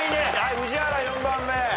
宇治原４番目。